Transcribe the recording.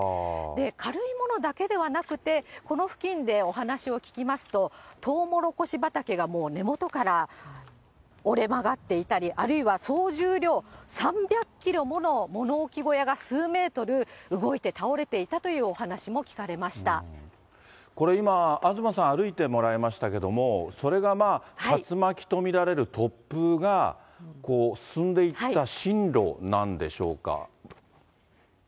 軽いものだけではなくて、この付近でお話を聞きますと、トウモロコシ畑がもう根元から折れ曲がっていたり、あるいは、総重量３００キロもの物置小屋が数メートル動いて倒れていたといこれ、今、東さん、歩いてもらいましたけども、それがまあ、竜巻と見られる突風が進んでいった進路なんでしょうか。